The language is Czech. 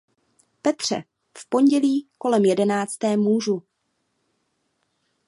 Petře, v pondělí kolem jedenácté můžu.